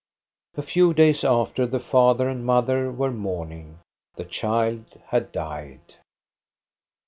A few days after the father and mother were mourn ing. The child had died.